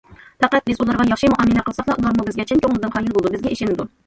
پەقەت بىز ئۇلارغا ياخشى مۇئامىلە قىلساقلا، ئۇلارمۇ بىزگە چىن كۆڭلىدىن قايىل بولىدۇ، بىزگە ئىشىنىدۇ.